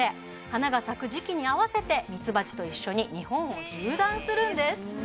花が咲く時期に合わせてみつばちと一緒に日本を縦断するんです